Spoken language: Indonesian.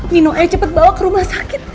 nino ayo cepet bawa ke rumah sakit